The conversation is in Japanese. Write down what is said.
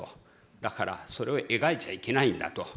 だからそれを描いちゃいけないんだと。